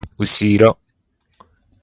うしろ